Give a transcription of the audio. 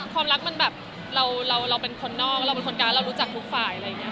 ความรักมันแบบเราเป็นคนนอกแล้วเราเป็นคนกลางเรารู้จักทุกฝ่ายอะไรอย่างนี้